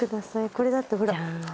これだってほら。